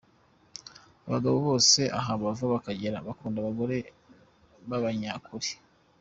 Abagabo bose aho bava bakagera bakunda abagore b’abanyakuri.